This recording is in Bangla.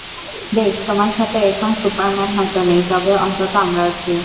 বেশ, তোমার সাথে এখন সুপারম্যান হয়তো নেই, তবে অন্তত আমরা আছি।